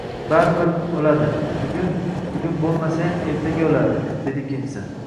— Baribir... o‘ladi! Bugun, bugun bo‘lmasayam... ertaga o‘ladi! — dedi ikkinchisi.